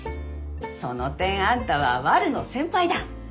その点あんたはワルの先輩だ。